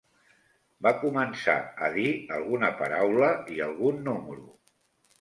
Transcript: Va començar a dir alguna paraula i algun número